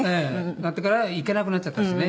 なってからは行けなくなっちゃったんですよね